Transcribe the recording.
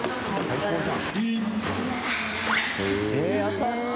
優しい！